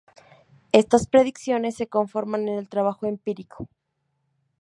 Estas predicciones se confirman en el trabajo empírico.